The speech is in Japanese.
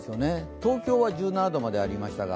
東京は１７度までありましたが。